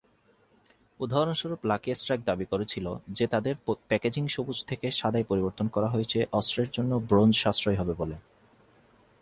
উদাহরণস্বরূপ Lucky Strike দাবি করেছিল যে তাদের প্যাকেজিং সবুজ থেকে সাদায় পরিবর্তন করা হয়েছে অস্ত্রের জন্য ব্রোঞ্জ সাশ্রয় হবে ব'লে।